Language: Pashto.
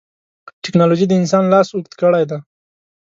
ټکنالوجي د انسان لاس اوږد کړی دی.